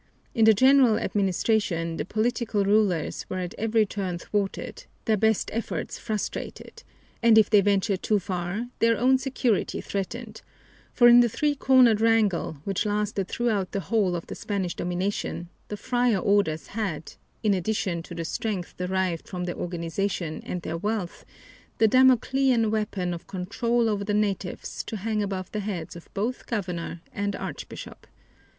In the general administration the political rulers were at every turn thwarted, their best efforts frustrated, and if they ventured too far their own security threatened; for in the three cornered wrangle which lasted throughout the whole of the Spanish domination, the friar orders had, in addition to the strength derived from their organization and their wealth, the Damoclean weapon of control over the natives to hang above the heads of both governor and archbishop.